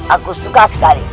aku suka sekali